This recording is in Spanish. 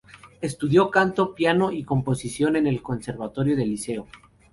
Estudió canto, piano y composición en el Conservatorio del Liceo.